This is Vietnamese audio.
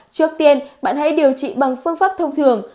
trước tiên bạn hãy điều trị bằng phương pháp thông thường